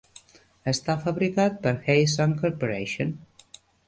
Està fabricat per HeySong Corporation.